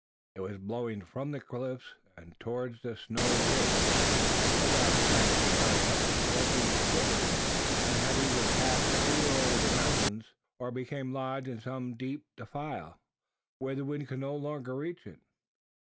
It was blowing from the cliffs, and towards the snowy ridge. No doubt the kite had been carried up the sloping acclivity; and had either passed clear over the mountains, or become lodged in some deep defile, where the wind could no longer reach it.